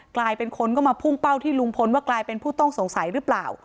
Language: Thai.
กลายเป็นคนก็มาพุ่งเป้าที่ลุงพลว่ากลายเป็นผู้ต้องสงสัยหรือเปล่า